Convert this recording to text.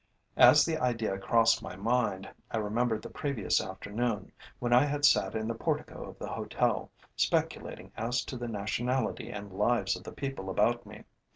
As the idea crossed my mind I remembered the previous afternoon, when I had sat in the portico of the hotel, speculating as to the nationality and lives of the people about me.